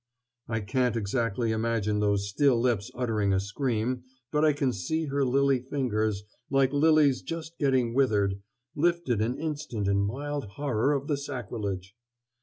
I can't exactly imagine those still lips uttering a scream, but I can see her lily fingers like lilies just getting withered lifted an instant in mild horror of the sacrilege!